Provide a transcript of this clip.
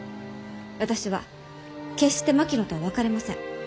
私は決して槙野とは別れません。